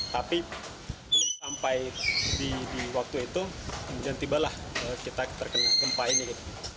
tapi belum sampai di waktu itu kemudian tibalah kita terkena gempa ini gitu